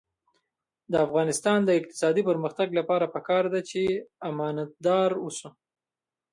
د افغانستان د اقتصادي پرمختګ لپاره پکار ده چې امانتدار اوسو.